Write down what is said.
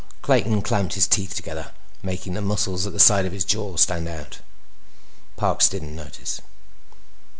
Clayton clamped his teeth together, making the muscles at the side of his jaw stand out. Parks didn't notice.